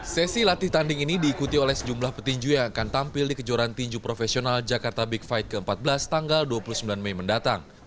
sesi latih tanding ini diikuti oleh sejumlah petinju yang akan tampil di kejuaraan tinju profesional jakarta big fight ke empat belas tanggal dua puluh sembilan mei mendatang